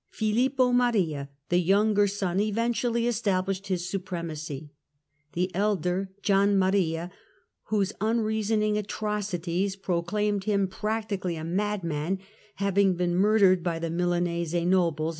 Filippo Maria, the younger son, eventually established his supremacy, the elder, Gian Maria, whose unreasoning atrocities pro Murder of claimed him practically a madman, having been mur Maria, dered by the Milanese nobles.